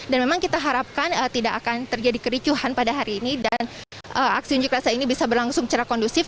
dan memang kita harapkan tidak akan terjadi kericuhan pada hari ini dan aksi unjuk rasa ini bisa berlangsung secara kondusif